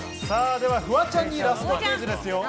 では、フワちゃんにラストクイズです。